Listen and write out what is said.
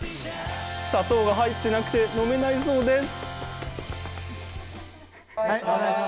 砂糖が入ってなくて飲めないそうです。